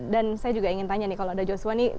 dan saya juga ingin tanya nih kalau ada joshua nih